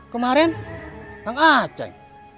kemarin kang aceng